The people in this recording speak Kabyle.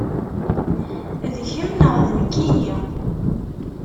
D kemm neɣ d nekkini?